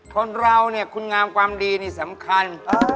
คนเราเนี่ยคุณงามความดีนี่สำคัญ